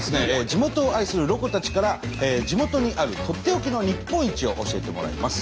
地元を愛するロコたちから地元にあるとっておきの日本一を教えてもらいます。